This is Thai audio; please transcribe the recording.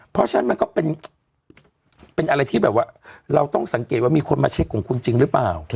เพราะฉะนั้นมันก็เป็นอะไรที่แบบว่าเราต้องสังเกตว่ามีคนมาเช็คของคุณจริงหรือเปล่า